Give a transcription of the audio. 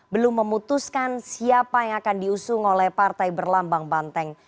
belum memutuskan siapa yang akan diusung oleh partai berlambang banteng